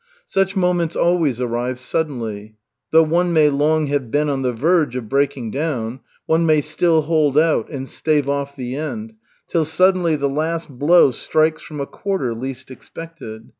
Such moments always arrive suddenly. Though one may long have been on the verge of breaking down, one may still hold out and stave off the end, till suddenly the last blow strikes from a quarter least expected.